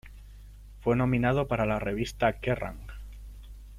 Fue nominado para la revista Kerrang!